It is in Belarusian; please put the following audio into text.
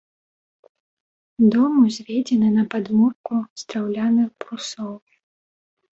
Дом узведзены на падмурку з драўляных брусоў.